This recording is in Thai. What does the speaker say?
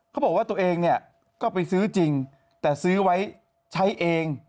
เขาบอกว่าตัวเองเนี่ยก็ไปซื้อจริงแต่ซื้อไว้ใช้เอง